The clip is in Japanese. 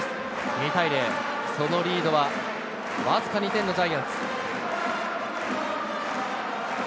２対０、そのリードはわずか２点のジャイアンツ。